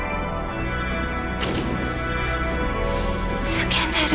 叫んでる！